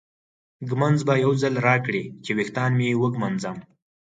ږومنځ به یو ځل راکړې چې ویښتان مې وږمنځم.